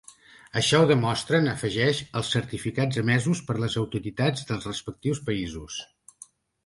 Així ho demostren, afegeix, “els certificats emesos per les autoritats dels respectius països”.